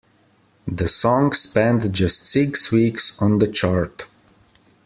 The song spent just six weeks on the chart.